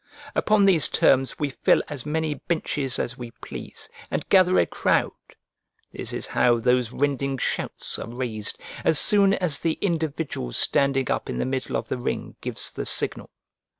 Upon these terms we fill as many benches as we please, and gather a crowd; this is how those rending shouts are raised, as soon as the individual standing up in the middle of the ring gives the signal.